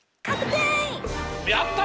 やった！